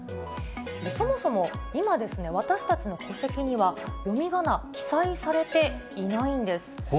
そもそも今、私たちの戸籍には、読みがな、記載されていないんです。